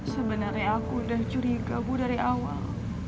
sebenarnya aku udah curiga bu dari awal